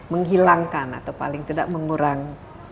menghilangkan atau paling tidak mengurangi